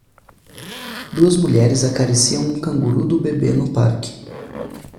Duas mulheres acariciam um canguru do bebê no parque.